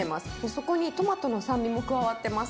そこにトマトの酸味も加わってます。